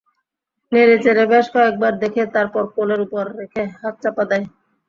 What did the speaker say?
নেড়ে চেড়ে বেশ কয়েকবার দেখে, তারপর কোলের ওপর রেখে হাত চাপা দেয়।